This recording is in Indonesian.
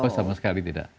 oh sama sekali tidak